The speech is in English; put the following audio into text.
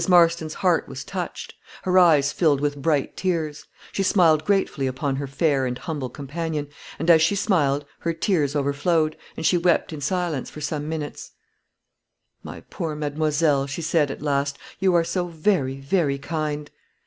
Marston's heart was touched; her eyes filled with bright tears; she smiled gratefully upon her fair and humble companion, and as she smiled, her tears overflowed, and she wept in silence for some minutes. "My poor mademoiselle," she said, at last, "you are so very, very kind."